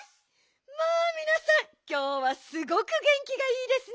まあみなさんきょうはすごくげんきがいいですね。